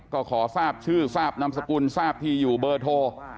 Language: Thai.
ก็ขอทราบชื่อทราบนามสกุลทราบที่อยู่เบอร์โทร